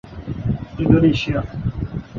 Indonesia